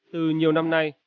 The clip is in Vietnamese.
từ nhiều năm nay